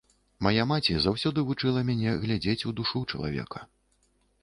Мая маці заўсёды вучыла мяне глядзець у душу чалавека.